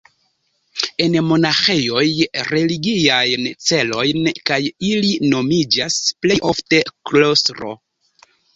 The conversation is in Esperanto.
En monaĥejoj, religiajn celojn, kaj ili nomiĝas plej ofte klostro.